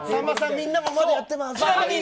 みんな、まだやってます。